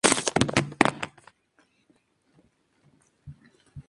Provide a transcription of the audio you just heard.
Ningún "freshman" ha ganado el premio.